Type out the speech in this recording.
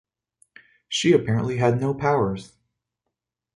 She apparently had no powers.